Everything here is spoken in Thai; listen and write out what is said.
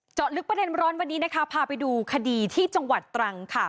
เจาะลึกประเด็นร้อนวันนี้นะคะพาไปดูคดีที่จังหวัดตรังค่ะ